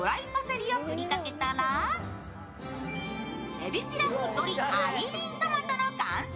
エビピラフドリアイントマトの完成！